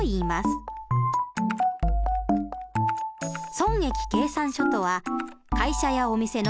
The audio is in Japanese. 損益計算書とは会社やお店の